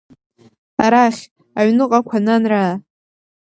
Арахь, Аҩныҟақәа, нанраа!